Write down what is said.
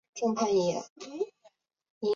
埃尔南德斯出生于墨西哥著名的足球家庭。